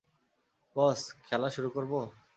বস, - খেলা শুরু করবো?